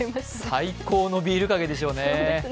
最高のビールかけでしょうね。